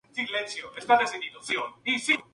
Por corona, una corona mural de pueblo.